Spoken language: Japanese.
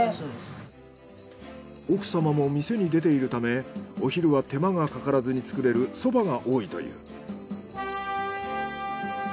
奥様も店に出ているためお昼は手間がかからずに作れるそばが多いという。